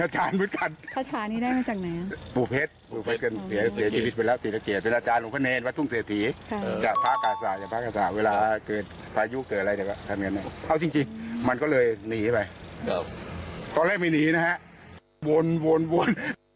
ตอนแรกมันหนีนะฮะวนวนวน